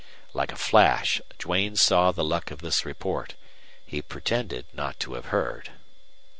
Like a flash Duane saw the luck of this report. He pretended not to have heard.